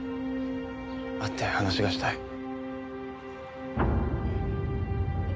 会って話がしたい。